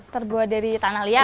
terbuat dari tanah liat